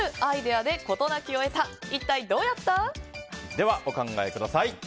では、お考えください。